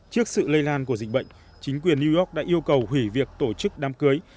trước sự lây lan của dịch bệnh chính quyền new york đã yêu cầu hủy việc tổ chức đám cưới